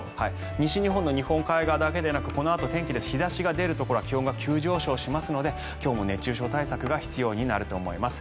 西日本の日本海側だけでなくこのあと天気日差しが出るところは気温が急上昇しますので今日も熱中症対策が必要になると思います。